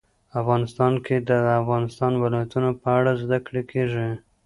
افغانستان کې د د افغانستان ولايتونه په اړه زده کړه کېږي.